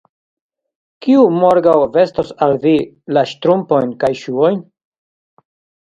kiu morgaŭ vestos al vi la ŝtrumpojn kaj ŝuojn?